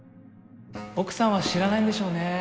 奥さんは知らないんでしょうね。